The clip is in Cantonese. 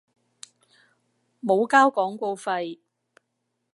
冇交廣告費